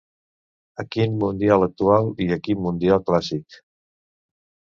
Equip Mundial Actual i Equip Mundial Clàssic.